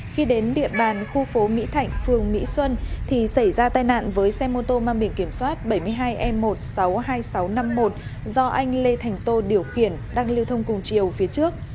khi đến địa bàn khu phố mỹ thạnh phường mỹ xuân thì xảy ra tai nạn với xe mô tô mang biển kiểm soát bảy mươi hai e một trăm sáu mươi hai nghìn sáu trăm năm mươi một do anh lê thành tô điều khiển đang lưu thông cùng chiều phía trước